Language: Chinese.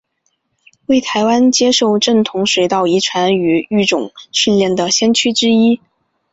为台湾接受正统水稻遗传与育种训练的先驱之一。